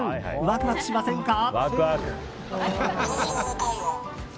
ワクワクしませんか。